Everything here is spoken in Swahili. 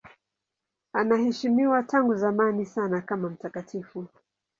Anaheshimiwa tangu zamani sana kama mtakatifu.